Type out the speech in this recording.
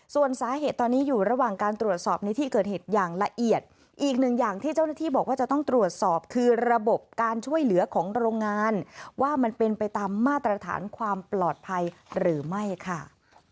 ส่วนสาเหตุตอนนี้อยู่ระหว่างการตรวจสอบในที่เกิดเหตุอย่างละเอียดอีกหนึ่งอย่างที่เจ้าหน้าที่บอกว่าจะต้องตรวจสอบคือระบบการช่วยเหลือของโรงงานว่ามันเป็นไปตามมาตรฐานความปลอดภัยหรือไม่ค่ะ